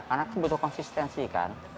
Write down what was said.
karena itu butuh konsistensi kan